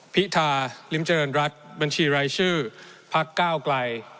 พิธาริมเจริญรัฐบัญชีรายชื่อพักก้าวไกล